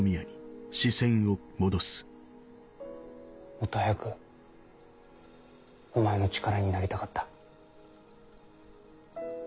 もっと早くお前の力になりたかった。